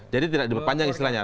jadi tidak diperpanjang istilahnya